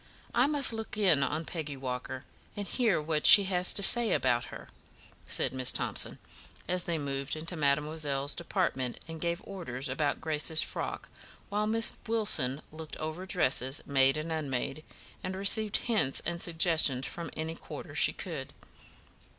I must look in on Peggy Walker, and hear what she says about her," said Miss Thomson, as they moved into mademoiselle's department and gave orders about Grace's frock, while Miss Wilson looked over dresses, made and unmade, and received hints and suggestions from any quarter she could.